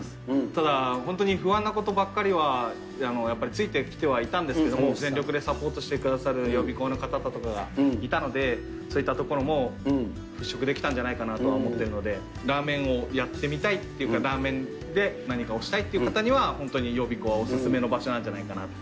ただ、本当に不安なことばっかりはやっぱりついてきてはいたんですけど、全力でサポートしてくださる予備校の方とかがいたので、そういったところも払拭できたんじゃないかなと思っているので、ラーメンをやってみたいというか、ラーメンで何かをしたいっていう方には、本当に予備校はお勧めの場所なんじゃないかなと。